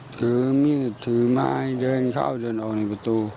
ถือมีดถือไม้เดินเข้าเดินออกในประตู